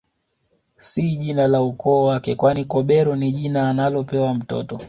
Si jina la ukoo wake kwani Kobero ni jina analopewa mtoto